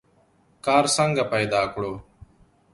کار څنګه پیدا کړو؟